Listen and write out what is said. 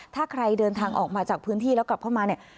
ถ้าใครเดินทางออกมาจากพื้นที่แล้วกลับเข้ามาเนี่ย